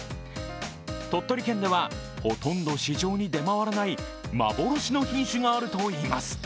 鳥取県ではほとんど市場に出回らない幻の品種があるといいます。